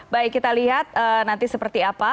baik kita lihat nanti seperti apa